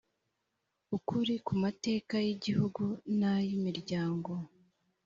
ukuri ku mateka y igihugu n ay imiryango